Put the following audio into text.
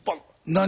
何？